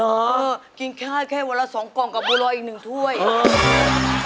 เออกินข้าวแค่วันละสองกล่องกับบัวรอยอีกหนึ่งถ้วยเออ